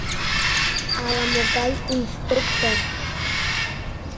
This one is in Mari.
Ала-могай инструктор.